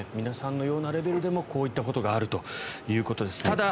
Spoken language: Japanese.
皆さんのようなレベルでもこういったことがあるということですね。